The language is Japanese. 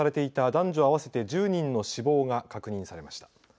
男女合わせて１０人の死亡が確認されました。